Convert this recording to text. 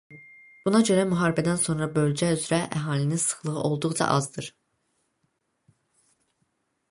Buna görə müharibədən sonra bölgə üzrə əhalinin sıxlığı olduqca azdır.